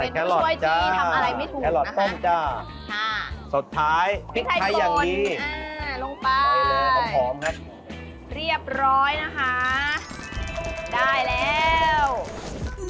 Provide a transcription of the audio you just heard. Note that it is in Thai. แคลอร์ตจ้าแคลอร์ตต้มจ้าสุดท้ายพริกไทยอย่างนี้ลงไปเรียบร้อยนะคะได้แล้ว